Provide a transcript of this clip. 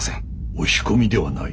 押し込みではない。